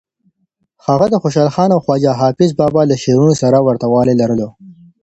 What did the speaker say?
هغه د خوشحال خان او خواجه حافظ بابا له شعرونو سره ورته والی لرلو.